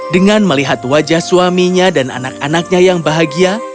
dengan melihat wajah suaminya dan anak anaknya yang bahagia